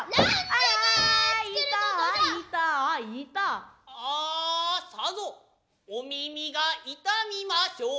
アアさぞ御耳が痛みましょう。